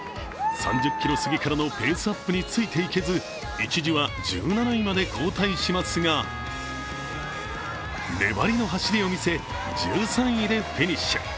３０ｋｍ過ぎからのペースアップについていけず一時は１７位まで後退しますが、粘りの走りを見せ、１３位でフィニッシュ。